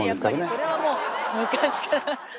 それはもう昔から。